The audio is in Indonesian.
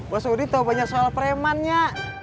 buasudin tau banyak soal freman ya